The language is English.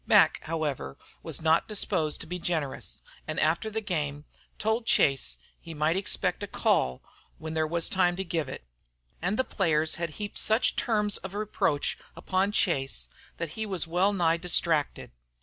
Mac, however, was not disposed to be generous, and after the game, told Chase he might expect a "call" when there was time to give it. And the players had heaped such terms of reproach upon Chase that he was well nigh distracted.